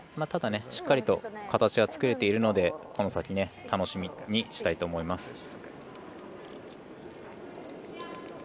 ただ、しっかりと形は作れているので、この先楽しみにしたいと思います。